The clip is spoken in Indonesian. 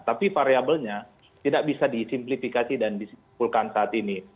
tapi variabelnya tidak bisa disimplifikasi dan disimpulkan saat ini